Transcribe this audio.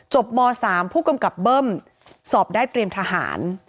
ม๓ผู้กำกับเบิ้มสอบได้เตรียมทหาร